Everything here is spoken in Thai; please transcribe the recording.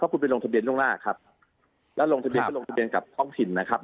เพราะคุณไปลงับเงียนตรงหน้าแล้วลงบับกับท้องปิสิตนะครับ